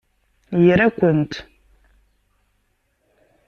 Ira-kent!